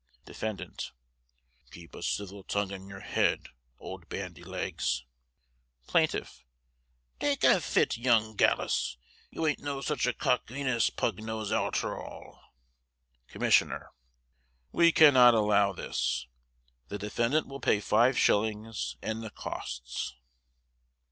Defendant: Keep a civil tongue in your head, old bandy legs. Plaintiff: Take a fit, young gallus. You arn't no sich a cock wenus, pug nose, arter all. Commissioner: We cannot allow this. The defendant will pay 5s and the costs.